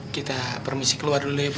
kita permisi keluar dulu ya bu